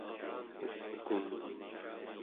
uk'um